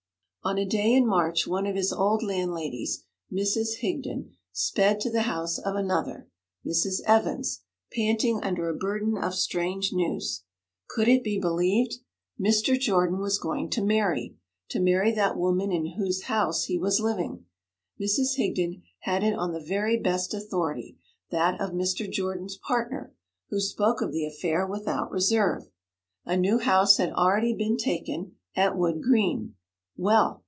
On a day in March one of his old landladies, Mrs. Higdon, sped to the house of another, Mrs. Evans, panting under a burden of strange news. Could it be believed! Mr. Jordan was going to marry to marry that woman in whose house he was living! Mrs. Higdon had it on the very best authority that of Mr. Jordan's partner, who spoke of the affair without reserve. A new house had already been taken at Wood Green. Well!